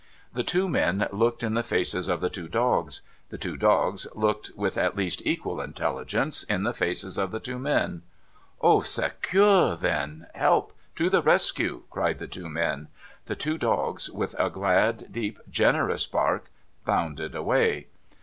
The two men looked in the faces of the two dogs. The two dogs looked, with at least equal intelligence, in the faces of the two men. ' Au secours, then ! Help ! To the rescue !' cried the two men. The two dogs, with a glad, deep, generous bark, bounded away.